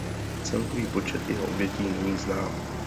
Celkový počet jeho obětí není znám.